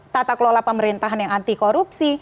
tata kelola pemerintahan yang anti korupsi